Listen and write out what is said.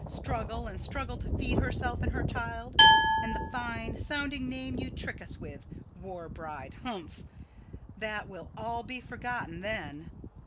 Struggle and struggle to feed herself and her child; and the fine sounding name you trick us with war bride! Humph! that will all be forgotten then.